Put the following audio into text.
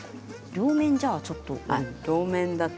両面じゃちょっと。